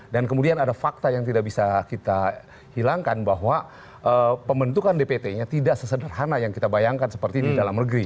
kemudian ada fakta yang tidak bisa kita hilangkan bahwa pembentukan dpt nya tidak sesederhana yang kita bayangkan seperti di dalam negeri